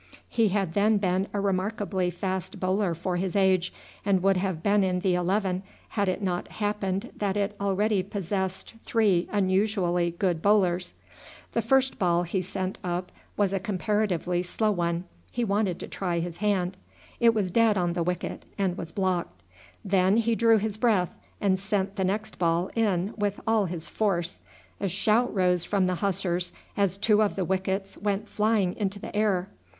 He had then been a remarkably fast bowler for his age, and would have been in the eleven had it not happened that it already possessed three unusually good bowlers. The first ball he sent up was a comparatively slow one; he wanted to try his hand. It was dead on the wicket, and was blocked; then he drew his breath, and sent the next ball in with all his force. A shout rose from the Hussars as two of the wickets went flying into the air.